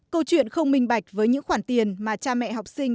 câu chuyện không minh bạch với những khoản tiền mà cha mẹ học sinh